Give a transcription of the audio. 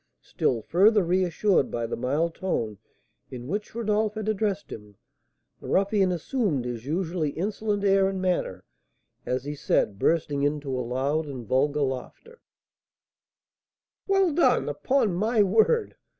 Still further reassured by the mild tone in which Rodolph had addressed him, the ruffian assumed his usually insolent air and manner as he said, bursting into a loud and vulgar laugh: "Well done, upon my word!